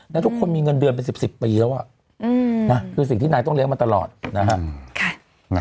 แล้วทุกคนมีเงินเดือนเป็น๑๐ปีแล้วคือสิ่งที่นายต้องเลี้ยมาตลอดนะฮะ